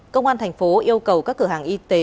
công an thành phố yêu cầu các cửa hàng y tế